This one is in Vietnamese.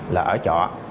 là ở trò